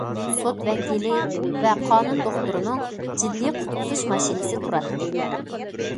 سوت ۋەكىلى ۋە قانۇن دوختۇرىنىڭ جىددىي قۇتقۇزۇش ماشىنىسى تۇراتتى.